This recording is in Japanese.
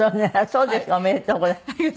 そうですか。おめでとうございます。